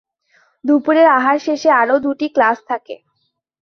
দুপুরের আহার শেষে আরও দুটি ক্লাস থাকে।